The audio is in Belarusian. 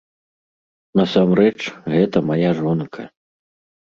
Насамрэч, гэта мая жонка!